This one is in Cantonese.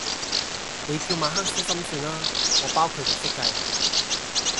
你叫馬克思心算啊，我包佢唔識計!